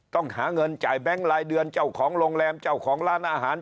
ต้องหาเงินจ่ายแบงค์รายเดือนเจ้าของโรงแรมเจ้าของร้านอาหาร